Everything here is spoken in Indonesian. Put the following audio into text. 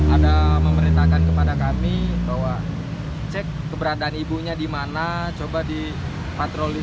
ada memerintahkan kepada kami bahwa cek keberadaan ibunya dimana coba di patroli